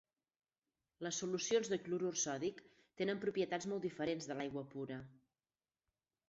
Les solucions de clorur sòdic tenen propietats molt diferents de l'aigua pura.